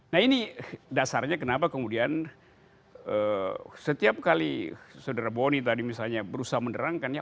nah ini dasarnya kenapa kemudian setiap kali saudara boni tadi misalnya berusaha menerangkannya